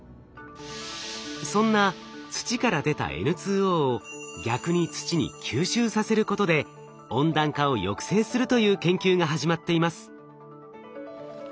そんな土から出たＮＯを逆に土に吸収させることで温暖化を抑制するという研究が始まっています。